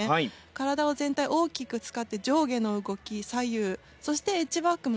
体を全体大きく使って上下の動き左右そしてエッジワークも深くて。